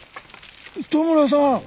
糸村さん！！